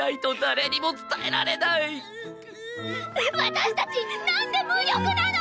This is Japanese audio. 私たちなんて無力なの！